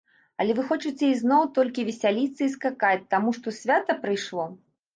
Але вы хочаце ізноў толькі весяліцца і скакаць таму што свята прыйшло?